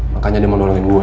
makanya dia mau nolongin gue